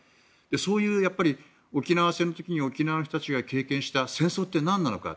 そういう沖縄戦の時に沖縄の人たちが経験した戦争って何なのか。